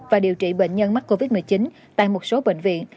và điều trị bệnh nhân mắc covid một mươi chín tại một số bệnh viện